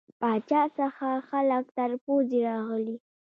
پاچا څخه خلک تر پوزې راغلي.